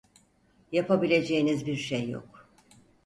Yapabileceğiniz bir şey yok.